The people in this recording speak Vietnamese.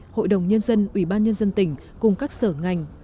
hội đồng nhân dân ủy ban nhân dân tỉnh cùng các sở ngành